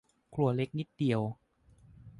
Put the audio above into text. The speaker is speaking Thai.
ครัวเล็กนิดเดียว